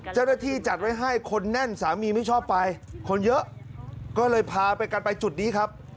เจ้าหน้าที่จัดไว้ให้คนแน่นสามีไม่ชอบไปคนเยอะก็เลยพาไปกันไปจุดนี้ครับ